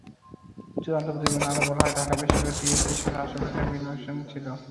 চূড়ান্ত প্রতিবেদনে আরও বলা হয়, ঢাকা বিশ্ববিদ্যালয়ের টিএসসিসহ আশপাশের এলাকায় বিভিন্ন অনুষ্ঠান ছিল।